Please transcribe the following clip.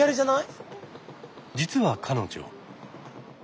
実は彼女。